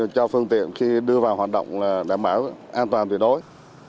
cho phương tiện khi đưa vào hoạt động là đảm bảo an toàn tuyệt đối